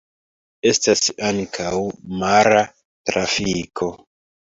Estas ankaŭ mara trafiko.